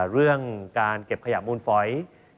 เรื่องการเก็บขยะมูลฝอย